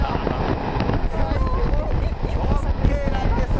描いてもＯＫなんです。